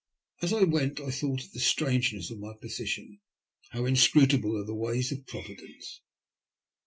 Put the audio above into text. As I went I thought of the strangeness of my position. How inscrutable are the ways of Providence